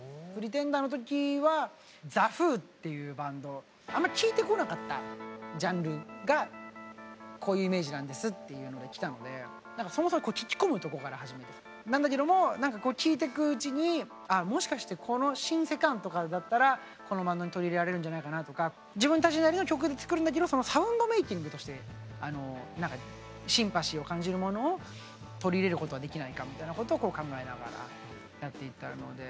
「Ｐｒｅｔｅｎｄｅｒ」の時はザ・フーっていうバンドあんま聴いてこなかったジャンルが「こういうイメージなんです」っていうので来たのでそもそも聴き込むとこから始めてなんだけども聴いていくうちにあもしかしてこのシンセ感とかだったらこのバンドに取り入れられるんじゃないかなとか自分たちなりの曲で作るんだけどサウンドメーキングとしてシンパシーを感じるものを取り入れることはできないかみたいなことを考えながらやっていったので。